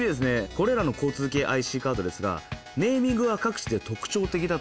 これらの交通系ＩＣカードですがネーミングが各地で特徴的だという事で。